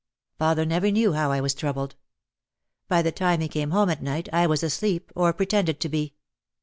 Father never knew how I was troubled. By the time he came home at night I was asleep or pretended to be.